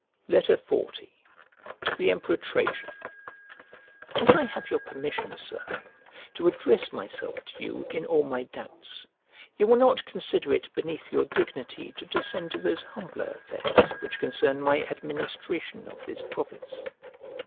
XL To THE EMPEROR TRAJAN As I have your permission, Sir, to address myself to you in all my doubts, you will not consider it beneath your dignity to descend to those humbler affairs which concern my administration of this province.